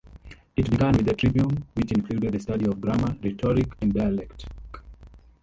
It began with the trivium, which included the study of grammar, rhetoric and dialectic.